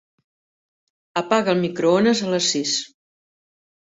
Apaga el microones a les sis.